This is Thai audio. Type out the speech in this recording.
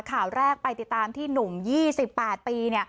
ข่าวแรกไปติดตามที่หนุ่ม๒๘ปี